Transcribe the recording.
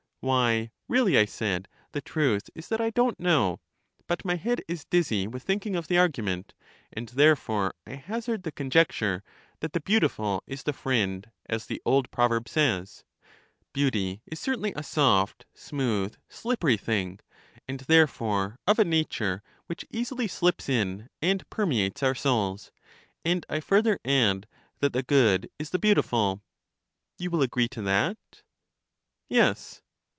Why really, I said, the truth is that I don't know; but my head is dizzy with thinking of the argument, and therefore I hazard the conjecture, that the beau LYSIS 69 tiful is the friend, as the old proverb says. Beauty is certainly a soft, smooth, slippery thing, and there fore of a nature which easily slips in and permeates our souls. And I further add that the good is the beautiful. You will agree to that? Yes.